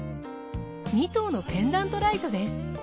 ２灯のペンダントライトです。